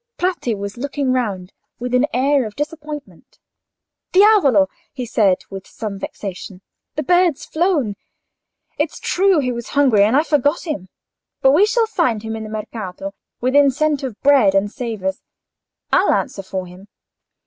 Bratti was looking round, with an air of disappointment. "Diavolo!" he said, with some vexation. "The bird's flown. It's true he was hungry, and I forgot him. But we shall find him in the Mercato, within scent of bread and savours, I'll answer for him."